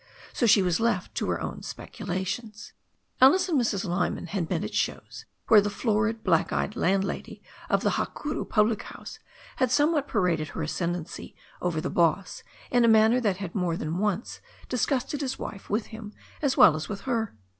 So she was left to her own speculations. Alice and Mrs. Lyman had met at shows, where the florid, black eyed landlady of the Hakaru public house had some what paraded her ascendancy over the boss in a manner that had more than once disgusted his wife with him as well as with her.